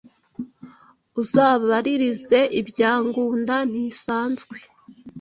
Uzabaririze ibya Ngunda ntisazwe